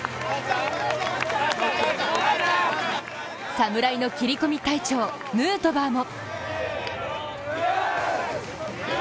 侍の切り込み隊長、ヌートバーも。